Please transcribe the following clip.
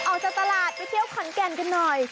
ออกจากตลาดไปเที่ยวขอนแก่นกันหน่อย